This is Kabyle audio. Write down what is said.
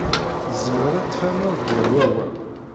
Tzemreḍ ad tferneḍ gar wa wa.